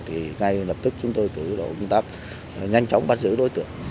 thì ngay lập tức chúng tôi tự đổ công tác nhanh chóng bắt giữ đối tượng